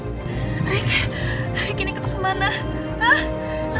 ricky ricky ini ketuk dimana